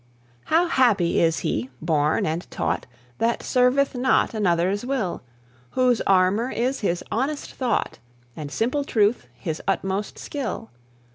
How happy is he born and taught That serveth not another's will; Whose armour is his honest thought, And simple truth his utmost skill!